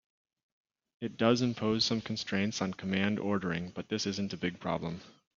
It does impose some constraints on command ordering, but this isn't a big problem.